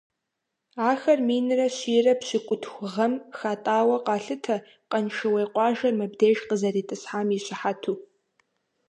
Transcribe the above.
Ахэр минрэ щийрэ пщыкӀутху гъэм хатӀауэ къалъытэ, Къаншыуей къуажэр мыбдеж къызэритӀысхьам и щыхьэту.